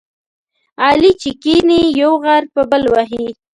علي چې کېني، یو غر په بل وهي.